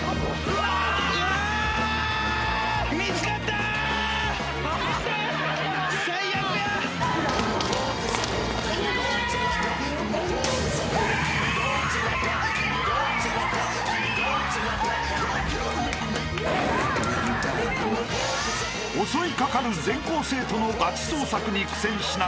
［襲い掛かる全校生徒のガチ捜索に苦戦しながらも］